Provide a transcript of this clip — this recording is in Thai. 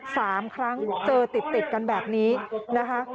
สามครั้งเจอติดติดกันแบบนี้นะคะ